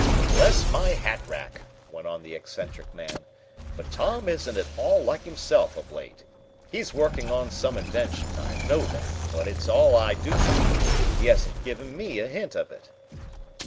"Bless my hat rack!" went on the eccentric man, "but Tom isn't at all like himself of late. He's working on some invention, I know that, but it's all I do know. He hasn't given me a hint of it."